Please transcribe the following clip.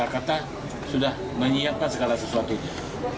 kata sudah menyiapkan segala sesuatunya